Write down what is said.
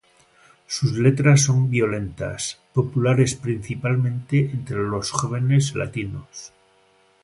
Sus letras son violentas, populares principalmente entre los jóvenes latinos.